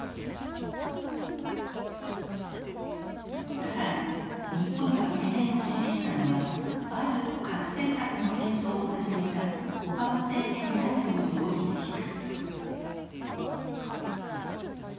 更に日本が懸念を示したのはある核政策の検討を始めたオバマ政権内部の動きでした。